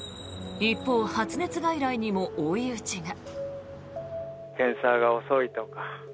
一方、発熱外来にも追い打ちが。